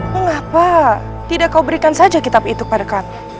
mengapa tidak kau berikan saja kitab itu kepada kami